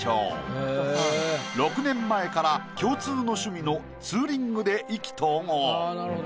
６年前から共通の趣味のツーリングで意気投合。